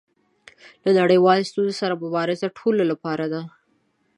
له نړیوالو ستونزو سره مبارزه د ټولو لپاره ده.